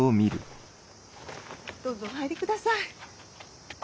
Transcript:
どうぞお入りください。